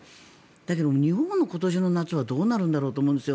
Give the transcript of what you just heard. だけど、日本の今年の夏はどうなるんだろうと思うんです。